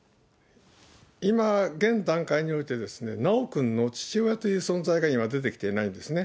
今、現段階において、修くんの父親という存在が今、出てきていないんですね。